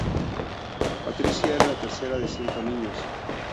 Patricia era la tercera de cinco niños.